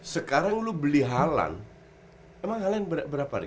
sekarang lu beli halan emang halan berapa nih